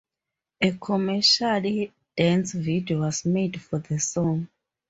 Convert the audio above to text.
A commercial dance video was made for the song.